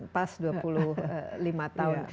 pas dua puluh lima tahun